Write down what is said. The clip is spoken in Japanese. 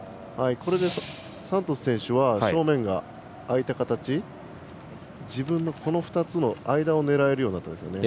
これでサントス選手は正面が空いた形自分の２つのボールの間を狙えるようになったんですよね。